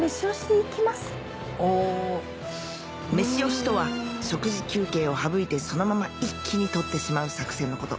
「メシ押し」とは食事休憩を省いてそのまま一気に撮ってしまう作戦のこと